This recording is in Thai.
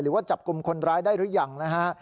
ว่าจับกลุ่มคนร้ายได้หรือยังนะฮะ